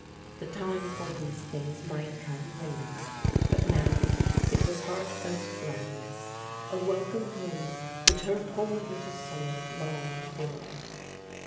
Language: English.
The time for these things mi|^t come later, but now it was heartfelt gladness : a welcome home which her poor little soul longed for.